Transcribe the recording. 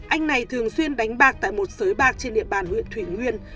anh này thường xuyên đánh bạc tại một sới bạc trên địa bàn huyện thủy nguyên